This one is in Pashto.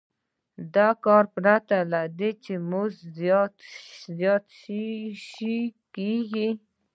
دا کار پرته له دې چې مزد زیات شي کېږي